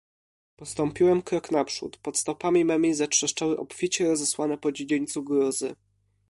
"Postąpiłem krok naprzód, pod stopami memi zatrzeszczały obficie rozesłane po dziedzińcu gruzy..."